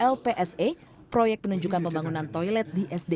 lpse proyek penunjukan pembangunan toilet di sd